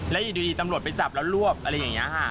แล้วอยู่ดีตำรวจไปจับแล้วรวบอะไรอย่างนี้ค่ะ